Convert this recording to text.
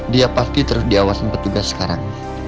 dia pasti terus diawasin petugas sekarang